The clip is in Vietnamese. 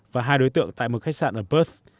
và hai đối tượng tại một khách sạn ở perth